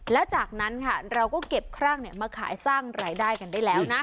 แล้วจากนั้นค่ะเราก็เก็บครั่งมาขายสร้างรายได้กันได้แล้วนะ